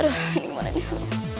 aduh ini kemana nih